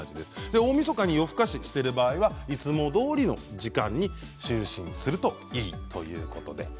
大みそかに夜更かししている場合はいつもどおりの時間に就寝するといいということです。